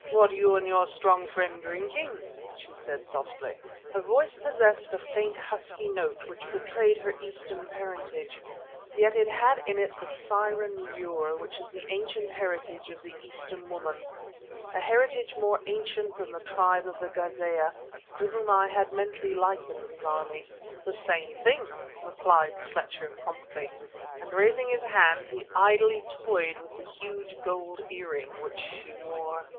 "What you and your strong friend drinking?" she said softly. Her voice possessed a faint husky note which betrayed her Eastern parentage, yet it had in it the siren lure which is the ancient heritage of the Eastern woman a heritage more ancient than the tribe of the Ghâzeeyeh, to one of whom I had mentally likened Zarmi. "Same thing," replied Fletcher promptly; and raising his hand, he idly toyed with a huge gold ear ring which she wore.